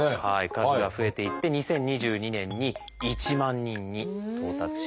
数が増えていって２０２２年に１万人に到達しました。